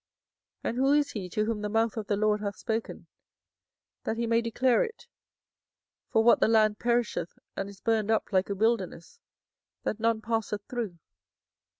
and who is he to whom the mouth of the LORD hath spoken, that he may declare it, for what the land perisheth and is burned up like a wilderness, that none passeth through?